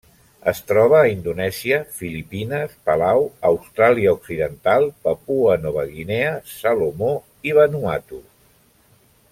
Es troba a Indonèsia, Filipines, Palau, Austràlia Occidental, Papua Nova Guinea, Salomó i Vanuatu.